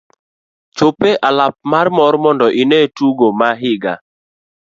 Chopi e alap mar mor mondo ine tugo ma higa.